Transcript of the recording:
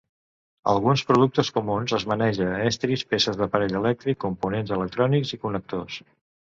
Alguns productes comuns es maneja estris, peces d'aparell elèctric, components electrònics i connectors.